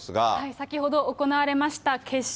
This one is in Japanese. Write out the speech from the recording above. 先ほど行われました決勝。